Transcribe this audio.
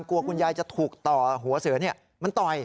กลัวคุณยายจะถูกต่อหัวเสือมันต่อย